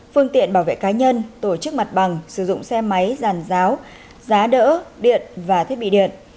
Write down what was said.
phương tiện bảo vệ cá nhân tổ chức mặt bằng sử dụng xe máy giàn giáo giá đỡ điện và thiết bị điện